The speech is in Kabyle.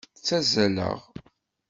Ttazzaleɣ.